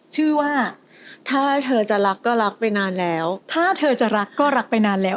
ชื่อว่าถ้าเธอจะรักก็รักไปนานแล้ว